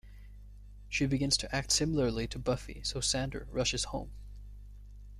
She begins to act similarly to Buffy, so Xander rushes home.